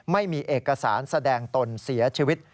ไม่มีเอกสารแสดงตนเสียชีวิต